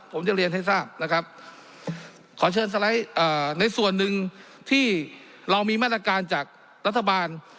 ผมจะเรียนให้ทราบนะครับขอเชิญสไลด์ในส่วนหนึ่งที่เรามีมาตรการจากรัฐบาล